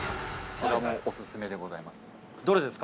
◆こちらもお勧めでございます。